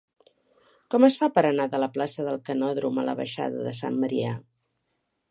Com es fa per anar de la plaça del Canòdrom a la baixada de Sant Marià?